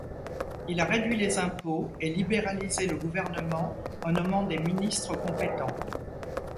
Il a réduit les impôts et libéralisé le gouvernement en nommant des ministres compétents.